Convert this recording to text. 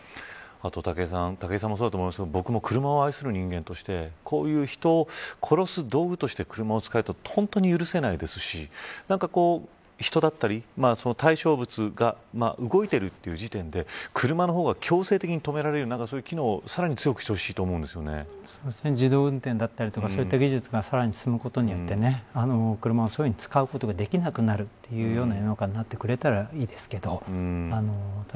あと武井さんもそうだと思いますが僕も車を愛する人間としてこういう人を殺す道具として車を利用するのは本当に許せないですし人だったり対象物が動いているという時点で車の方が強制的に止められるようなそういう機能をさらに自動運転だったりとかそういう技術がさらに進むことによって車をそういうふうに使うことができなくなるような世の中になってくれたらいいですけど。